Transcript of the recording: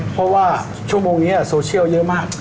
เพราะว่าชั่วโมงนี้โซเชียลเยอะมาก